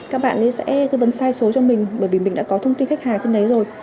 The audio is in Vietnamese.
các bạn ấy sẽ tư vấn sai số cho mình bởi vì mình đã có thông tin khách hàng trên đấy rồi